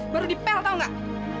baru dipel tahu enggak